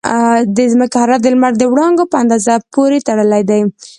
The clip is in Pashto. د ځمکې حرارت د لمر د وړانګو په اندازه پورې تړلی دی.